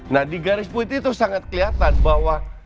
nah di garis putih itu sangat kelihatan bahwa